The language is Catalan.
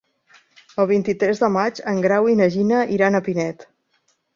El vint-i-tres de maig en Grau i na Gina iran a Pinet.